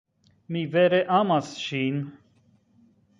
Mi vere amas ŝin.